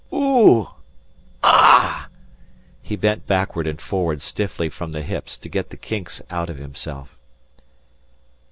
Ouh! Auh!" He bent backward and forward stiffly from the hips to get the kinks out of himself.